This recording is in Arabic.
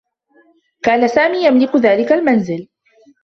كان سامي يملك ذلك المنزل.